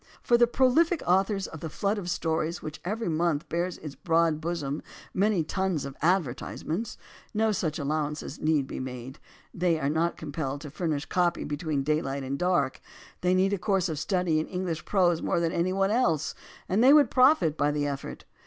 For the prolific authors of the flood of stories which every month bears on its broad bosom many tons of advertisements, no such allowance need be made. They are not compelled to furnish copy between day light and dark. They need a course of study in Eng lish prose more than any one else, and they would profit by the effort.